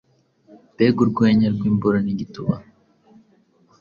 mbega urwenya rw’imboro n’igituba